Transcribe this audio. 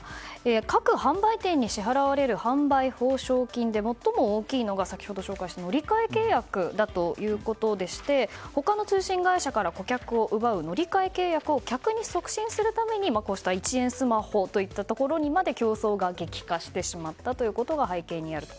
各販売店に支払われる販売報奨金で最も大きいのが先ほど紹介した乗り換え契約だということでして他の通信会社から顧客を奪う乗り換え契約を客に促進するためにこうした１円スマホにまで競争が激化してしまったことが背景にあると。